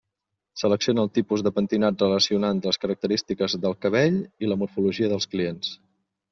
Selecciona el tipus de pentinat relacionant les característiques del cabell i la morfologia dels clients.